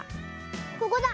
ここだ。